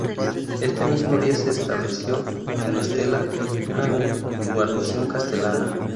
Este mismo día se estableció en Estella una guarnición castellana.